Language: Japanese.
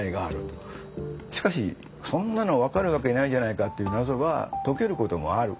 しかしそんなの分かるわけないじゃないかっていう謎が解けることもある。